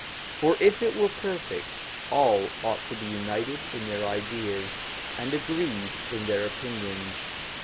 For if it were perfect, all ought to be united in their ideas and agreed in their opinions.